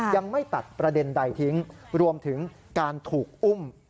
ยังไม่ตัดประเด็นใดทิ้งรวมถึงการถูกอุ้ม